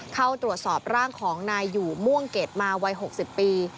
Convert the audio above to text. เข้าตรวจสอบร่างของนายอยู่ม่วงเกรดมาวัย๖๐ปี